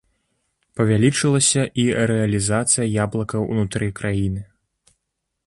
Павялічылася і рэалізацыя яблыкаў ўнутры краіны.